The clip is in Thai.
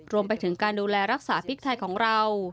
รวมไปถึงการดูแลรักษาพริกไทยของเรา